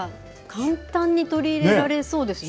簡単に取り入れられそうですね。